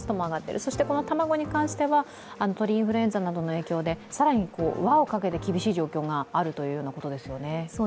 そしてこのたまごに関しては鳥インフルエンザなどの影響で更に輪をかけて厳しい状況があるということですよね。